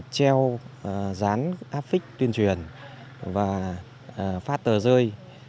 treo dán áp phích tuyên truyền và phát tờ rơi